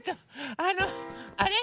あのあれ？